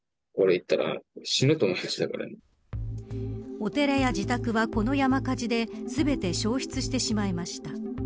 お寺や自宅はこの山火事で全て焼失してしまいました。